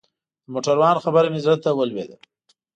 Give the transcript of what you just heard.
د موټروان خبره مې زړه ته ولوېده.